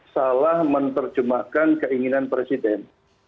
salah menerjemahkan keinginan presiden